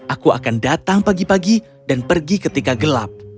aku akan datang pagi pagi dan pergi ketika gelap